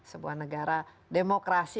sebuah negara demokrasi